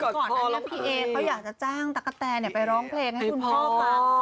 ก่อนหน้านี้พี่เอเขาอยากจะจ้างตั๊กกะแตนไปร้องเพลงให้คุณพ่อฟัง